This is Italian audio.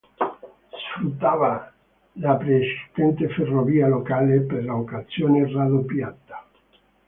Sfruttava la preesistente ferrovia locale, per l'occasione raddoppiata.